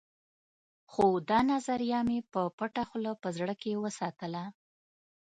خو دا نظريه مې په پټه خوله په زړه کې وساتله.